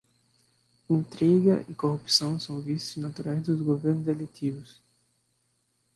Intriga e corrupção são vícios naturais dos governos eletivos.